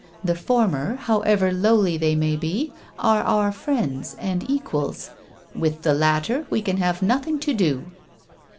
The former, however lowly they may be, are our friends and equals ; with the latter we can have nothing to do."